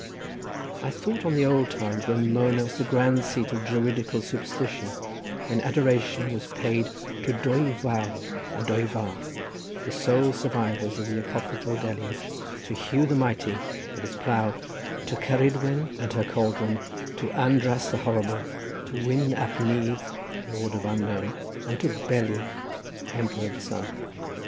I thought on the old times when Mona was the grand seat of Druidical superstition, when adoration was paid to Dwy Fawr, and Dwy Fach, the sole survivors of the apocryphal Deluge; to Hu the Mighty and his plough; to Ceridwen and her cauldron; to András the Horrible; to Wyn ab Nudd, Lord of Unknown, and to Beli, Emperor of the Sun.